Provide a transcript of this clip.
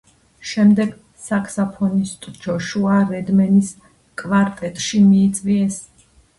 შემდეგ საქსაფონისტ ჯოშუა რედმენის კვარტეტში მიიწვიეს.